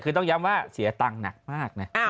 คือต้องย้ำว่าเสียตังค์หนักมากนะ